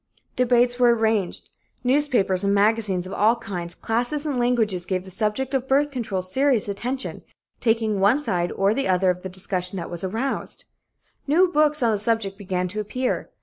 Debates were arranged. Newspapers and magazines of all kinds, classes and languages gave the subject of birth control serious attention, taking one side or the other of the discussion that was aroused. New books on the subject began to appear.